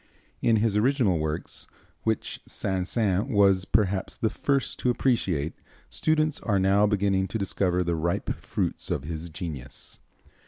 In his original works, which Saint Saëns was perhaps the first to appreciate, students are now beginning to discover the ripe fruits of his genius.